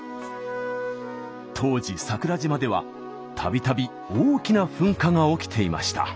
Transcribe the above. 当時桜島ではたびたび大きな噴火が起きていました。